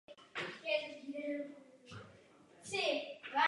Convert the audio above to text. Komise je zdůrazní ve svém sdělení o přezkumu rozpočtu.